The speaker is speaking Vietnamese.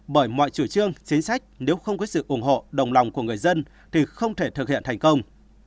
bởi mọi chủ trương chính sách nếu không có sự ủng hộ đồng lòng của người dân thì không thể thực hiện thành công